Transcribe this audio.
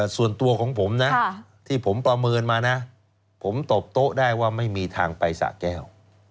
ส่วนตัวของผมนะที่ผมประเมินมานะผมตอบโต๊ะได้ว่าไม่มีทางไปสะแก้ว